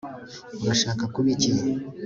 urashaka kuba iki